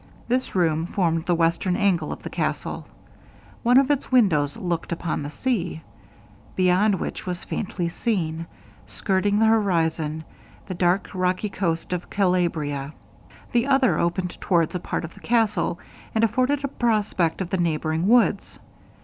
This room formed the western angle of the castle: one of its windows looked upon the sea, beyond which was faintly seen, skirting the horizon, the dark rocky coast of Calabria; the other opened towards a part of the castle, and afforded a prospect of the neighbouring woods.